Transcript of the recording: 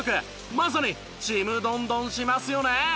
まさにちむどんどんしますよね。